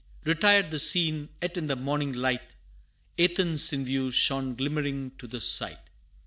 Retired the scene, yet in the morning light, Athens in view, shone glimmering to the sight.